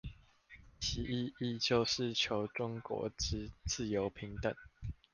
其意義就是求中國之自由平等